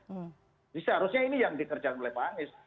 jadi seharusnya ini yang dikerjakan oleh pak amis